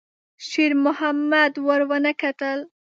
شېرمحمد ور ونه کتل.